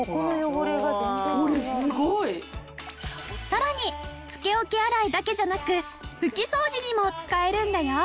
さらにつけ置き洗いだけじゃなく拭き掃除にも使えるんだよ。